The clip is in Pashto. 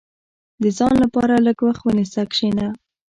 • د ځان لپاره لږ وخت ونیسه، کښېنه.